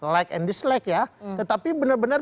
like and dislike ya tetapi benar benar